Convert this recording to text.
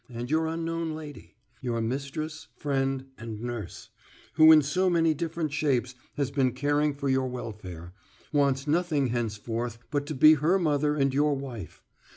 And your Unknown Lady, your mistress, friend, and nurse, who in so many different shapes has been caring for your welfare, wants nothing henceforth but to be her mother and your wife.